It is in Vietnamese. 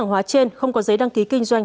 hàng hóa trên không có giấy đăng ký kinh doanh